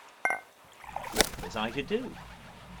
What was I to do?